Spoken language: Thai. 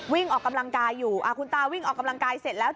วิ่งออกกำลังกายอยู่คุณตาวิ่งออกกำลังกายเสร็จแล้ว